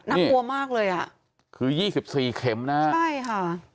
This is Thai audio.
น่ากลัวมากเลยอ่ะคือยี่สิบสี่เข็มนะฮะใช่ค่ะ